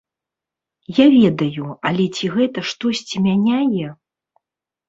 Я ведаю, але ці гэта штосьці мяняе?